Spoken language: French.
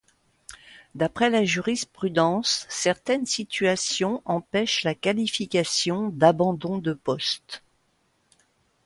D'après la jurisprudence, certaines situations empêchent la qualification d'abandon de poste.